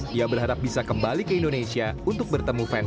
dia berharap bisa kembali ke indonesia untuk bertemu fans